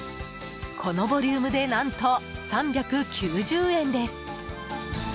このボリュームで何と３９０円です。